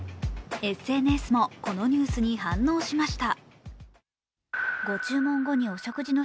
ＳＮＳもこのニュースに反応しました。